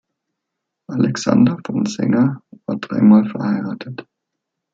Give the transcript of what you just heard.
Alexander von Senger war dreimal verheiratet.